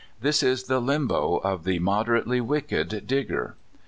This is the Limbo of the moderately wicked Dig ger.